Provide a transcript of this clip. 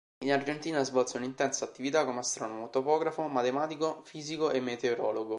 In Argentina svolse un'intensa attività come astronomo, topografo, matematico, fisico e meteorologo.